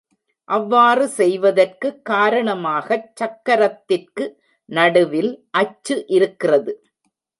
அவ்வாறு செய்வதற்குக் காரணமாகச் சக்கரத்திற்கு நடுவில் அச்சு இருக்கிறது.